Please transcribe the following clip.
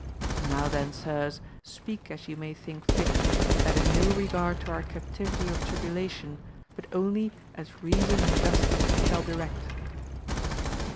Now, then, sirs, speak as you may think fit, having no regard to our captivity or tribulation, but only as reason and justice shall direct.